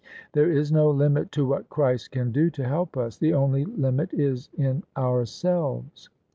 There is no limit to what Christ can do to help us ; the only limit IS in ourselves.